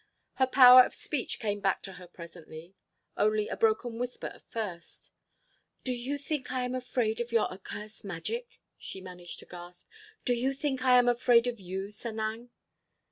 Her power of speech came back to her presently—only a broken whisper at first: "Do you think I am afraid of your accursed magic?" she managed to gasp. "Do you think I am afraid of you, Sanang?"